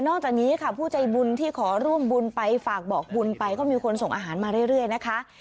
จากนี้ค่ะผู้ใจบุญที่ขอร่วมบุญไปฝากบอกบุญไปก็มีคนส่งอาหารมาเรื่อยนะคะ